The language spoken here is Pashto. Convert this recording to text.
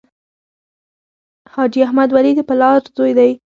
حاجي احمد ولي د پلار زوی دی.